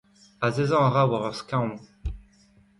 Azezañ a ra war ur skaoñ.